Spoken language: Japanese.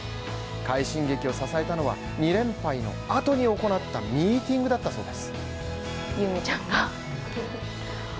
快進撃を支えたのは２連敗の後に行ったミーティングだったそうです。